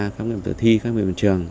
khám nghiệm tử thi khám nghiệm trường